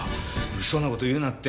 物騒な事言うなって。